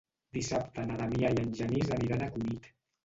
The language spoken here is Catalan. Dissabte na Damià i en Genís aniran a Cunit.